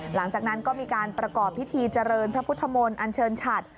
หลังจากนั้นก็มีการประกอบพิธีเจริญพระพุทธมนต์อันเชิญฉัด